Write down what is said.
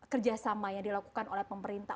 kerjasama yang dilakukan oleh pemerintah